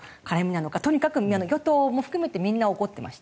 とにかく与党も含めてみんな怒ってました。